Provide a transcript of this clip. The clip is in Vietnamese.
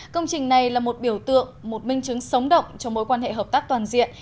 công trình này là một biểu tượng một minh chứng sống động cho mối quan hệ hợp tác toàn diện